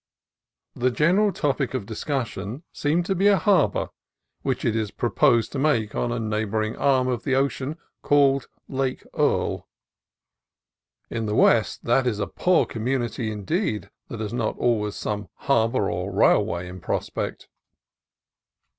The general topic of discussion seemed to be a harbor which it is proposed to make on a neigh DOUBTFUL SAILING DATES 309 boring arm of the ocean called Lake Earl. In the West, that is a poor community, indeed, that has not always some harbor or railway in prospect.